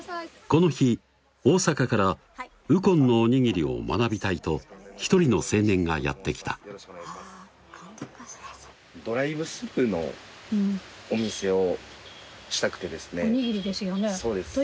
この日大阪から右近のおにぎりを学びたいと一人の青年がやって来たドライブスルーのお店をしたくてですねおにぎりですよね？